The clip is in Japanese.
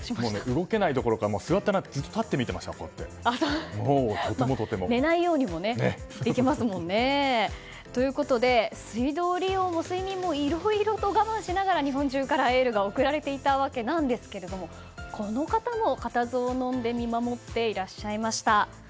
動けないどころか座っていないで寝ないようにもできますもんね。ということで水道利用も睡眠もいろいろと我慢しながら日本中からエールが送られていましたがこの方も固唾をのんで見守っていらっしゃいました。